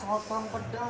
sotong pedas boleh